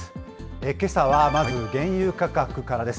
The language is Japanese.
けさは、まず原油価格からです。